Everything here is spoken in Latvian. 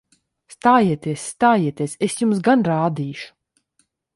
Stājieties! Stājieties! Es jums gan rādīšu!